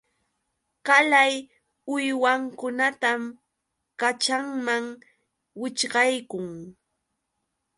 Qalay uywankunatam kaćhanman wićhqaykun.